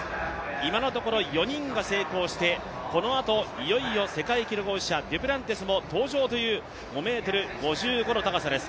今のところ、４人が成功して、このあと、いよいよ世界記録保持者デュプランティスも登場という５ｍ５５の高さです。